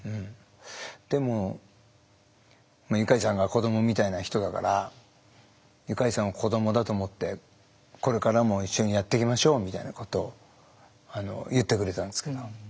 でもユカイさんが子供みたいな人だからユカイさんを子供だと思ってこれからも一緒にやっていきましょうみたいなことを言ってくれたんですけど。